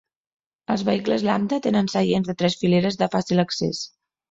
Els vehicles Lambda tenen seients de tres fileres de fàcil accés.